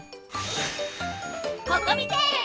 ココミテール！